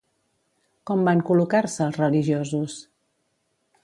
Com van col·locar-se els religiosos?